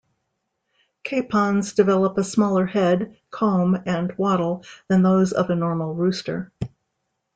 Capons develop a smaller head, comb and wattle than those of a normal rooster.